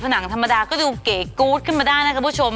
หนังธรรมดาก็ดูเก๋กู๊ดขึ้นมาได้นะครับคุณผู้ชม